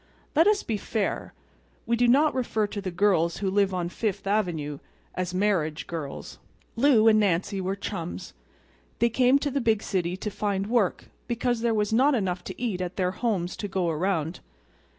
Let us be fair. We do not refer to the girls who live on Fifth Avenue as "marriage girls." Lou and Nancy were chums. They came to the big city to find work because there was not enough to eat at their homes to go around.